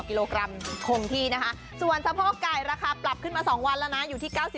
กิโลกรัมคงที่นะคะส่วนสะโพกไก่ราคาปรับขึ้นมา๒วันแล้วนะอยู่ที่๙๐